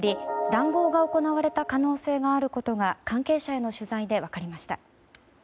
談合が行われた可能性があることが関係者への取材で分かりました。